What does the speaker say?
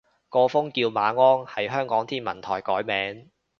個風叫馬鞍，係香港天文台改名